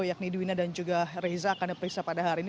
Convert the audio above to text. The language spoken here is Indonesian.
yakni duwina dan juga reza akan diperiksa pada hari ini